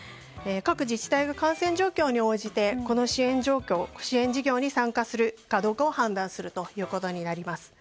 各自治体の感染状況に応じてこの支援事業に参加するかどうかを判断するということになります。